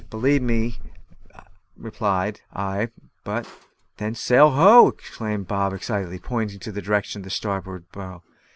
"I believe not," I replied; "but " "Then sail ho!" exclaimed Bob excitedly, pointing in the direction of our starboard bow.